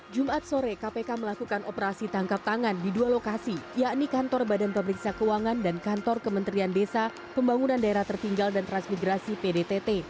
jumat sore kpk melakukan operasi tangkap tangan di dua lokasi yakni kantor badan pemeriksa keuangan dan kantor kementerian desa pembangunan daerah tertinggal dan transmigrasi pdtt